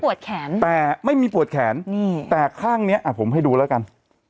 แขนแต่ไม่มีปวดแขนนี่แต่ข้างเนี้ยอ่ะผมให้ดูแล้วกัน